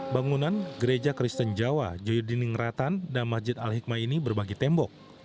bangunan gereja kristen jawa joyo diningratan dan masjid al hikmah ini berbagi tembok